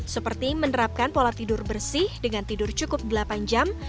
seperti menerapkan pola tidur bersih dengan tidur cukup delapan jam